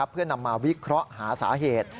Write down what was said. เพื่อนำมาวิเคราะห์หาสาเหตุ